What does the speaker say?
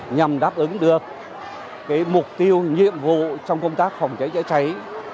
nhằm đáp ứng được mục tiêu nhiệm vụ trong công tác phòng trái cháy